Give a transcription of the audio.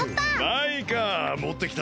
マイカもってきたぞ。